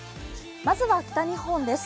まずは北日本です。